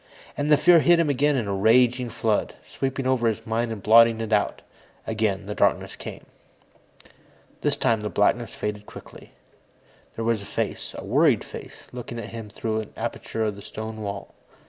And the fear hit him again in a raging flood, sweeping over his mind and blotting it out. Again, the darkness came. This time, the blackness faded quickly. There was a face, a worried face, looking at him through an aperture in the stone wall.